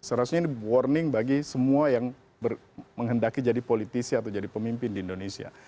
seharusnya ini warning bagi semua yang menghendaki jadi politisi atau jadi pemimpin di indonesia